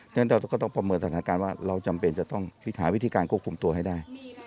ฉะนั้นเราก็ต้องประเมินสถานการณ์ว่าเราจำเป็นจะต้องหาวิธีการควบคุมตัวให้ได้